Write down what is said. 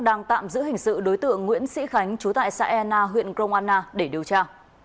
đang tạm giữ hình sự đối tượng nguyễn sĩ khánh trú tại sà e na huyện công an na để điều tra